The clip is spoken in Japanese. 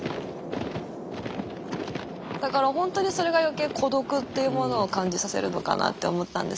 だからほんとにそれが余計孤独っていうものを感じさせるのかなって思ったんですけど。